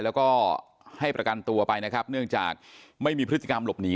แล้วก็ให้ประกันตัวไปนะครับเนื่องจากไม่มีพฤติกรรมหลบหนี